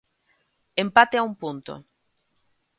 Empate a un punto.